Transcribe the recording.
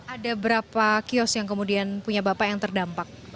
ada berapa kios yang kemudian punya bapak yang terdampak